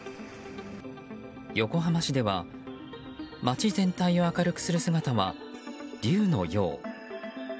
横浜市では街全体を明るくする姿は竜のよう。